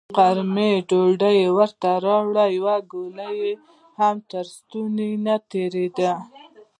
غرمه يې ډوډۍ ورته راوړه، يوه ګوله يې هم تر ستوني نه تېرېده.